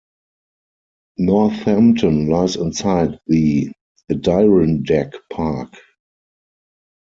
Northampton lies inside the Adirondack Park.